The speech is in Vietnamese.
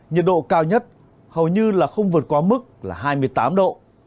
nhiệt độ cao nhất hầu như là không vượt qua mức là hai mươi tám độ